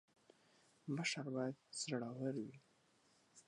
مشر باید زړه ور وي